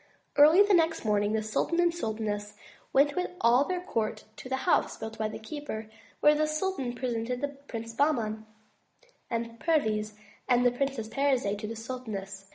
Early the next morning, the sultan and sultaness went with all their court to the house built by the keeper, where the sultan presented the Princes Bahman and Perviz, and the Princess Parizade to the sultaness.